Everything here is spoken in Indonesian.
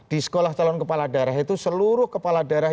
di sekolah calon kepala daerah itu seluruh kepala daerah